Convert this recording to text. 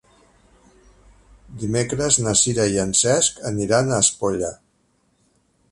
Dimecres na Sira i en Cesc aniran a Espolla.